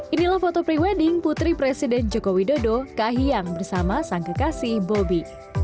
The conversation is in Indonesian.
inilah foto pre wedding putri presiden joko widodo kahiyang bersama sang kekasih bobby